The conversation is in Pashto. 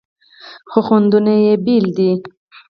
خو خوندونه یې بیل دي.